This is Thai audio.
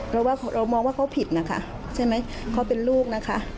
เราว่าเรามองว่าเขาผิดนะคะใช่ไหมเขาเป็นลูกนะคะ